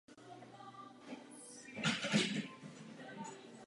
Po skončení těchto kurzů působil jako vojenský instruktor.